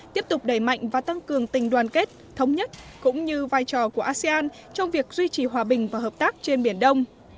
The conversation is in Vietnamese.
tiếp tục đẩy mạnh và tăng cường tình đoàn kết thống nhất cũng như vai trò của asean trong việc duy trì hòa bình và hợp tác trên biển đông